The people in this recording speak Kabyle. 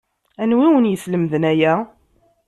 Anwa i wen-yeslemden aya?